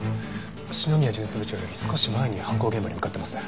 篠宮巡査部長より少し前に犯行現場に向かってますね。